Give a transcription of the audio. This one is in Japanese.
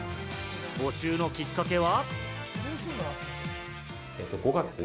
募集のきっかけは。